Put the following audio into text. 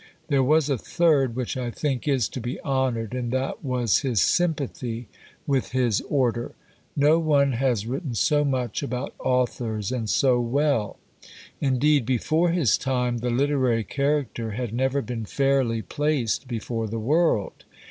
There was a third, which I think is to be honoured, and that was his sympathy with his order. No one has written so much about authors, and so well. Indeed, before his time, the Literary Character had never been fairly placed before the world.